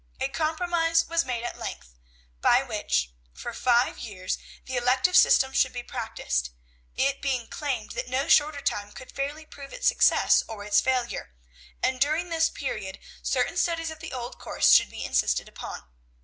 A compromise was made at length, by which, for five years, the elective system should be practised, it being claimed that no shorter time could fairly prove its success or its failure; and during this period certain studies of the old course should be insisted upon.